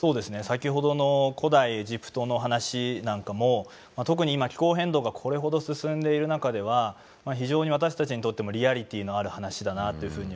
先ほどの古代エジプトの話なんかも特に今気候変動がこれほど進んでいる中では非常に私たちにとってもリアリティーのある話だなというふうに思うんですね。